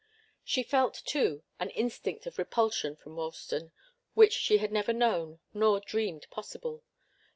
She felt, too, an instinct of repulsion from Ralston, which she had never known, nor dreamed possible.